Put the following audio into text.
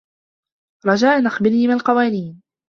رجاء أخبرني ما القوانين.